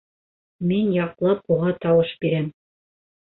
Мин яҡлап уға тауыш бирәм.